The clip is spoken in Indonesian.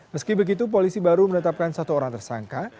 meski begitu polisi baru menetapkan satu orang tersangka